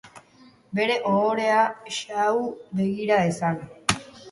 Bere ohorea xahu begira dezan.